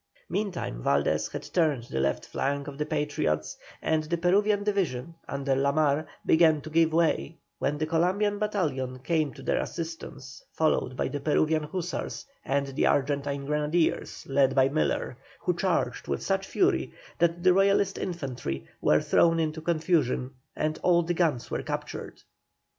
Meantime Valdés had turned the left flank of the Patriots, and the Peruvian division, under La Mar, began to give way, when the Columbian battalion came to their assistance, followed by the Peruvian hussars and the Argentine grenadiers, led by Miller, who charged with such fury that the Royalist infantry were thrown into confusion, and all the guns were captured.